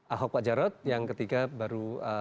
ahok pak jarot yang ketiga baru